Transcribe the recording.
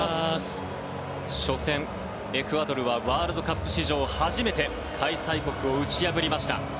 初戦、エクアドルはワールドカップ史上初めて開催国を打ち破りました。